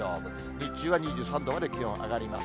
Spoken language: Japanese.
日中は２３度まで気温上がります。